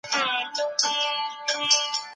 هوډمن استاد زده کوونکو ته د لاسونو ښه پاکوالی ښيي.